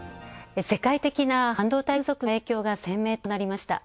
世界的な半導体不足の影響が鮮明となりました。